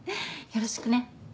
よろしくね。